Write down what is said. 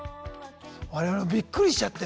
我々もびっくりしちゃって。